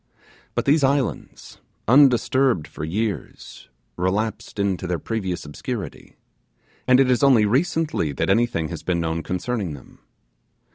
But these islands, undisturbed for years, relapsed into their previous obscurity; and it is only recently that anything has been known concerning them.